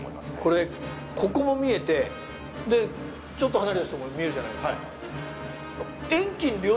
これここも見えてちょっと離れた人も見えるじゃないですか。